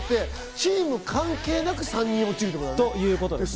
チーム関係なく３人落ちるってことだよね。